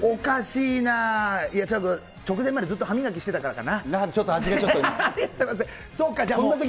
いや、ちょっと直前までずっと歯磨きしてたからかな。